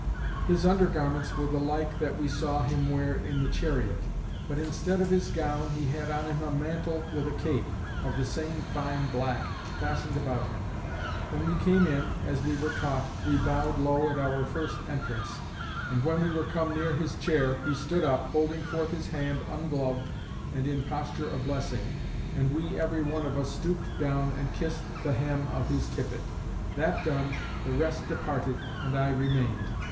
His under garments were the like that we saw him wear in the chariot; but instead of his gown, he had on him a mantle with a cape, of the same fine black, fastened about him. When we came in, as we were taught, we bowed low at our first entrance; and when we were come near his chair, he stood up, holding forth his hand ungloved, and in posture of blessing; and we every one of us stooped down, and kissed the hem of his tippet. That done, the rest departed, and I remained.